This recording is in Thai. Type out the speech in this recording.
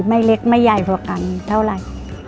ไม่เล็กไม่ใหญ่พอกันเท่าไหร่